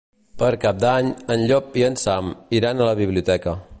Per Cap d'Any en Llop i en Sam iran a la biblioteca.